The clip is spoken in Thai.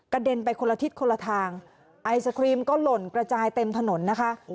เด็นไปคนละทิศคนละทางไอศครีมก็หล่นกระจายเต็มถนนนะคะ